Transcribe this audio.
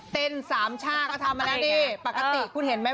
เต้นสามชาติเขาทำมาและดีอืมปกติคุณเห็นไหม